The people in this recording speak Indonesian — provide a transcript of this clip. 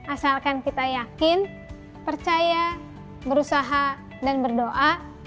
asalkan kita yakin percaya berusaha dan berdoa